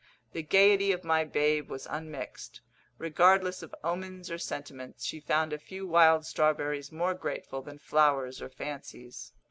The gaiety of my babe was unmixed; regardless of omens or sentiments, she found a few wild strawberries more grateful than flowers or fancies.